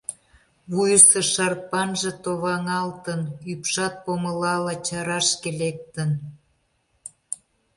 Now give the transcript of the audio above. Вуйысо шарпанже товаҥалтын, ӱпшат помылала чарашке лектын.